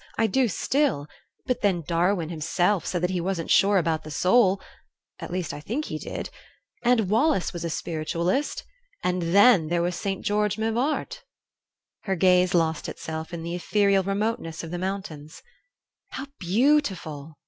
I do still; but then Darwin himself said that he wasn't sure about the soul at least, I think he did and Wallace was a spiritualist; and then there was St. George Mivart " Her gaze lost itself in the ethereal remoteness of the mountains. "How beautiful!